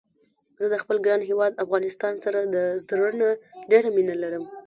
زه د خپل ګران هيواد افغانستان سره د زړه نه ډيره مينه لرم